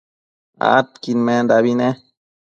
adquidmendabi ne